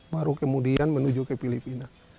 baru kemudian menuju ke filipina